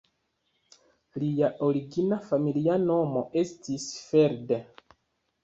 Lia origina familia nomo estis "Feld".